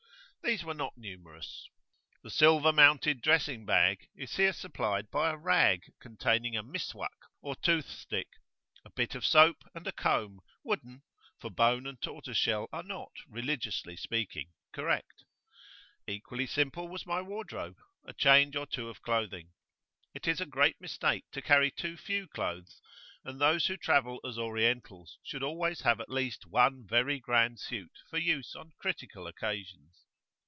These were not numerous. The silver mounted dressing bag is here supplied by a rag containing a Miswak[FN#11] or tooth stick, a bit of soap and a comb, wooden, for bone and tortoiseshell are not, religiously speaking, correct. Equally simple was my wardrobe; [p.24]a change or two of clothing. It is a great mistake to carry too few clothes, and those who travel as Orientals should always have at least one very grand suit for use on critical occasions.